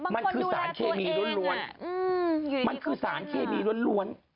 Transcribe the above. บางคนดูแลตัวเองมันคือสารเคมีล้วน